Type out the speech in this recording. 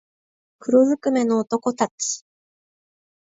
黒づくめの男たち